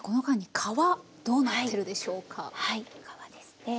皮ですね。